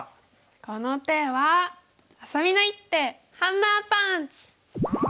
この手はあさみの一手ハンマーパンチ！